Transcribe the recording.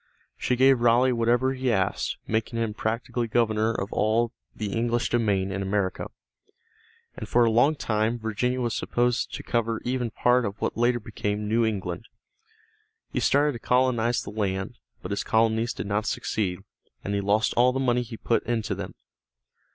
She gave Raleigh whatever he asked, making him practically governor of all the English domain in America, and for a long time Virginia was supposed to cover even part of what later became New England. He started to colonize the land, but his colonies did not succeed, and he lost all the money he put into them.